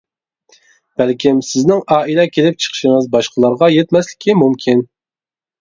بەلكىم سىزنىڭ ئائىلە كېلىپ چىقىشىڭىز باشقىلارغا يەتمەسلىكى مۇمكىن.